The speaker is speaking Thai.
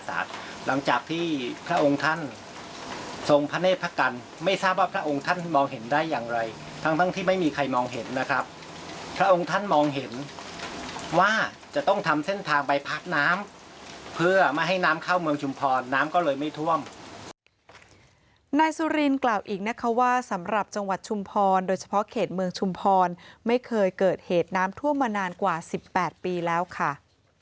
พระธุรกิจที่พักชื่อตามสบายรีสอร์ตถนนชุมพรปที่ได้เกิดใต้ร่มพระธุรกิจที่พักชื่อตามสบายรีสอร์ตถนนชุมพรปที่ได้เกิดใต้ร่มพระธุรกิจที่พักชื่อตามสบายรีสอร์ตถนนชุมพรปที่ได้เกิดใต้ร่มพระธุรกิจที่พักชื่อตามสบายรีสอร์ตถนนชุมพรปที่ได้เกิดใต้ร่มพระธุรกิจที่พักชื่อ